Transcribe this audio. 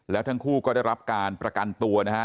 แล้วทั้งคู่ก็ได้รับการประกันตัวนะฮะ